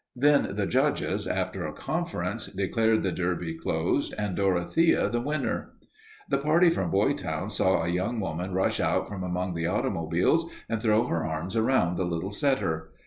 Then the judges, after a conference, declared the Derby closed and Dorothea the winner. The party from Boytown saw a young woman rush out from among the automobiles and throw her arms around the little setter.